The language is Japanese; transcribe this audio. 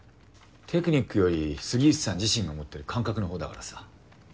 テクニックより杉内さん自身が持ってる感覚の方だからさ。